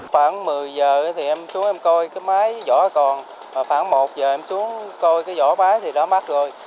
khoảng một mươi giờ thì em xuống em coi cái máy vỏ còn khoảng một giờ em xuống coi cái vỏ máy thì đã mất rồi